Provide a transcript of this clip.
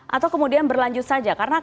atau kemudian berlanjut saja